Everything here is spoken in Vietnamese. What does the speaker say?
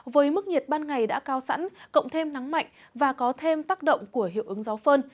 với mức nhiệt ban ngày đã cao sẵn cộng thêm nắng mạnh và có thêm tác động của hiệu ứng gió phơn